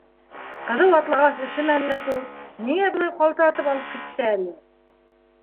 Ҡыҙыу атлағас, өшөмәне лә кеүек, ниңә былай ҡалтыратып алып китте әле?!